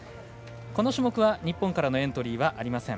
この種目、日本からのエントリーはありません。